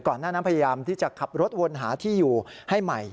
หน้านั้นพยายามที่จะขับรถวนหาที่อยู่ให้ใหม่